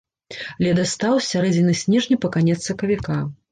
Ледастаў з сярэдзіны снежня па канец сакавіка.